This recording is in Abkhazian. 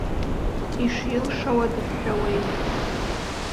Ишилшауа дыҳәҳәауеит.